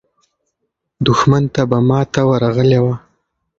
دښمن ته به ماته ورغلې وه.